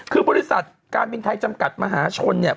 คือบริษัทการบินไทยจำกัดมหาชนเนี่ย